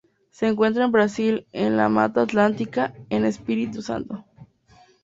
Se encuentra en Brasil en la Mata Atlántica en Espírito Santo.